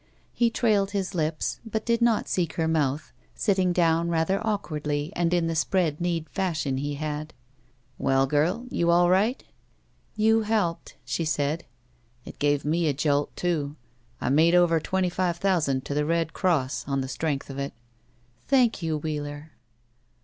He trailed his lips, but did not seek her mouth, sitting down rather awkwardly and in the ^read kneed fashion he had. "Well, girl— you all right?" "You helped," she said. "It gave me a jolt, too. I made over twenty five thousand to the Red Cross on the strength of it." "Thank you, Wheeler."